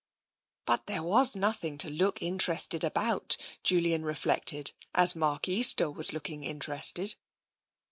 But there was nothing to look interested about, Julian re flected, as Mark Easter was looking interested.